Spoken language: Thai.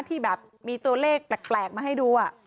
ที่แบบมีตัวเลขแปลกมาให้ดู